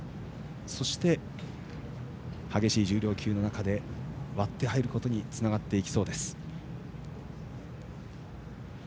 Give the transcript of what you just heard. そして激しい重量級の中で割って入ることにつながっていきそうです。